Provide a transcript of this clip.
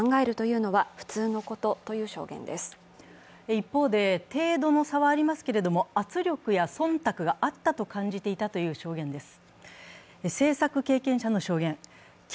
一方で、程度の差はありますが、圧力や忖度があったと感じていたという証言です。